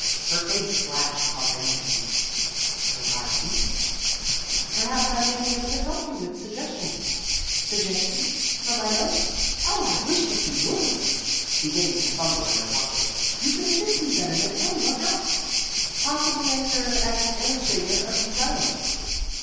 Her face flashed comprehension. " So I did." Danger ! 263 " Perhaps I may be able to help you with suggestions." " Suggestions for my notes ? Oh, I wish that you would !" beginning to fumble in her pocket ;" you could assist me better than any one else." " Possibly I serve as illustrative of each item